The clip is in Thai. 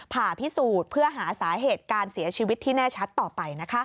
ผ่าพิสูจน์เพื่อหาสาเหตุการเสียชีวิตที่แน่ชัดต่อไปนะคะ